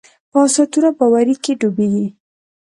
په اسطوره باورۍ کې ډوبېږي.